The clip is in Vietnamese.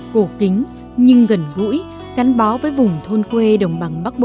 cổ kính nhưng gần gũi gắn bó với vùng thôn quê đồng bằng bắc bộ